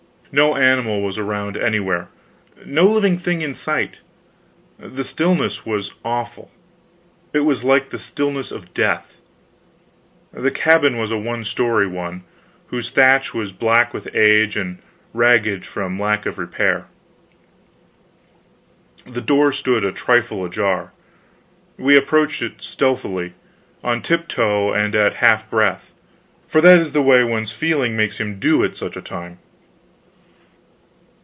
No animal was around anywhere, no living thing in sight. The stillness was awful, it was like the stillness of death. The cabin was a one story one, whose thatch was black with age, and ragged from lack of repair. The door stood a trifle ajar. We approached it stealthily on tiptoe and at half breath for that is the way one's feeling makes him do, at such a time.